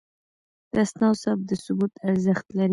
د اسنادو ثبت د ثبوت ارزښت لري.